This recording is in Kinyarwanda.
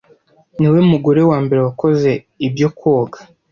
niwe mugore wambere wakoze ibyo Koga